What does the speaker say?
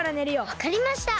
わかりました。